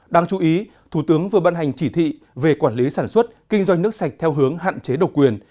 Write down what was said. đáng chú ý thủ tướng vừa ban hành chỉ thị về quản lý sản xuất kinh doanh nước sạch theo hướng hạn chế độc quyền